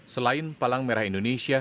selain palang merah indonesia